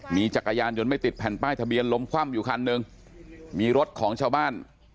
มีจักรยานยนต์ไม่ติดแผ่นป้ายทะเบียนล้มคว่ำอยู่คันหนึ่งมีรถของชาวบ้าน